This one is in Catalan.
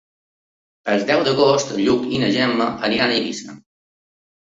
El deu d'agost en Lluc i na Gemma iran a Eivissa.